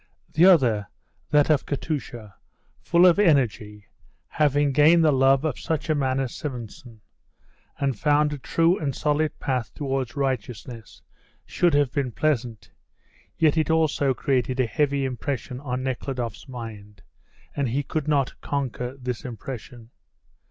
The other, that of Katusha, full of energy, having gained the love of such a man as Simonson, and found a true and solid path towards righteousness, should have been pleasant, yet it also created a heavy impression on Nekhludoff's mind, and he could not conquer this impression.